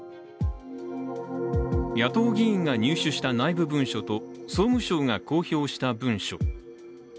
野党議員が入手した内部文書と総務省が公表した文書。